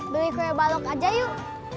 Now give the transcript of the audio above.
beli kue balok aja yuk